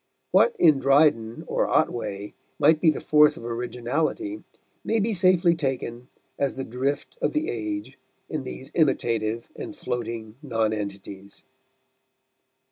What in Dryden or Otway might be the force of originality may be safely taken as the drift of the age in these imitative and floating nonentities.